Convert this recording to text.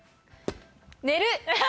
寝る！